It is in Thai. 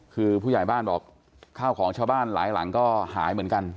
คือผู้ใหญ่บ้านบอกข้าวของชาวบ้านหลายหลังก็หายเหมือนกัน